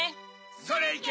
それいけ！